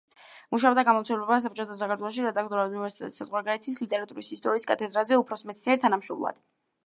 მუშაობდა გამომცემლობა „საბჭოთა საქართველოში“ რედაქტორად, უნივერსიტეტის საზღვარგარეთის ლიტერატურის ისტორიის კათედრაზე უფროს მეცნიერ-თანამშრომლად.